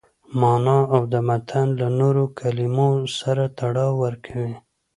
مانا او د متن له نورو کلمو سره تړاو ورکوي.